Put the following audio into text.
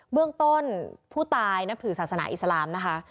เบื้องต้นผู้ตายนับถือศาสนาอิสลามนะคะ